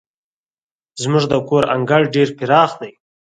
زموږ د کور انګړ ډير پراخه دی.